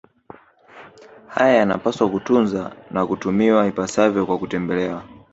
Haya yanapaswa kutunzwa na kutumiwa ipasavyo kwa kutembelewa